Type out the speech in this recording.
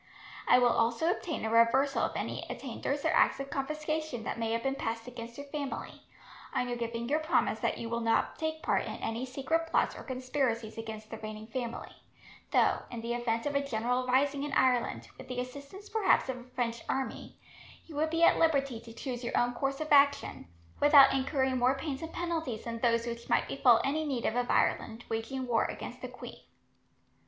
I will also obtain a reversal of any attainders or acts of confiscation that may have been passed against your family, on your giving your promise that you will not take part in any secret plots or conspiracies against the reigning family, though, in the event of a general rising in Ireland, with the assistance perhaps of a French army, you would be at liberty to choose your own course of action, without incurring more pains and penalties than those which might befall any native of Ireland waging war against the queen.